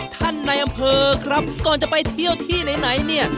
ในอำเภอครับก่อนจะไปเที่ยวที่ไหนเนี่ย